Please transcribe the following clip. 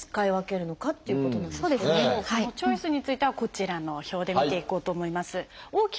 そのチョイスについてはこちらの表で見ていこうと思います。